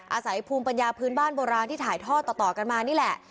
อาศัยภูมิปัญญาพื้นบ้านโบราณที่ถ่ายทอดต่อกันมานี่แหละ